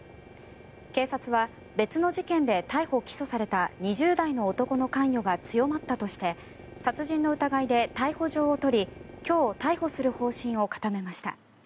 警察は別の事件で逮捕・起訴された２０代の男の関与が強まったとして殺人の疑いで逮捕状を取り今日、逮捕する方針を固めました。